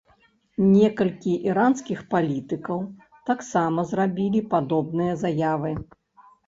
Некалькі іранскіх палітыкаў таксама зрабілі падобныя заявы.